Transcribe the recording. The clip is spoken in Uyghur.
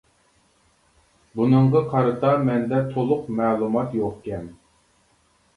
بۇنىڭغا قارىتا مەندە تولۇق مەلۇمات يوقكەن.